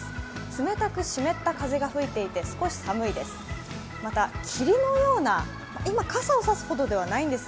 冷たく湿った風が吹いていて、少し寒いです。